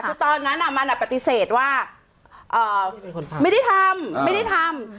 คือตอนนั้นมันปฏิเสธว่าไม่ได้ทำไม่ได้ทำ